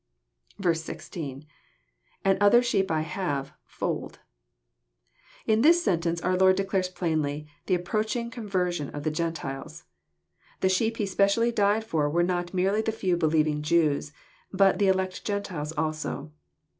16. — lAnd other sheep I have,.. fold,'] In this sentence, our Lord declares plainly the approaching conversion of the Gentilei». The sheep He specially died for were not merely the few believing Jews, but the elect Gentiles also.